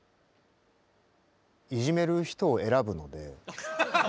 いじめる人を選ぶので。